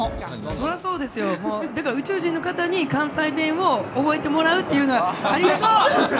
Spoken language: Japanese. そりゃそうですよ、もう、けど、宇宙人の方に関西弁を覚えてもらうというのは、ありがとう。